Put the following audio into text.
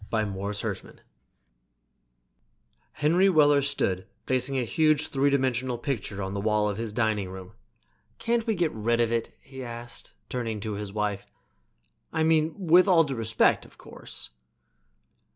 By Morris Hershman Henry Weller stood facing a huge three dimensional picture on the wall of his dining room. "Can't we get rid of it?" he asked, turning to his wife. "I mean, with all due respect, of course."